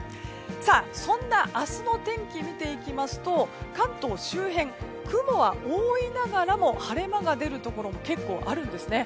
そんな明日の天気見ていきますと関東周辺、雲は多いながらも晴れ間が出るところも結構あるんですね。